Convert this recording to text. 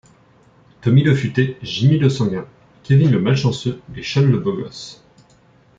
Tommy le futé, Jimmy le sanguin, Kevin le malchanceux et Sean le beau gosse.